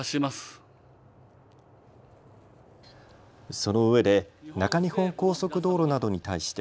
そのうえで中日本高速道路などに対して。